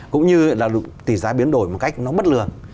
cũng như là tỷ giá biến đổi một cách nó bất lường